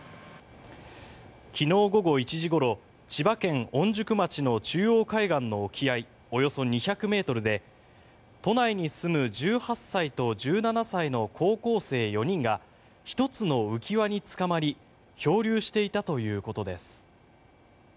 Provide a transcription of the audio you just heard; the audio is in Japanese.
昨日午後１時ごろ千葉県御宿町の中央海岸の沖合およそ２００ｍで都内に住む１８歳と１７歳の高校生４人が１つの浮輪につかまり漂流していたということです。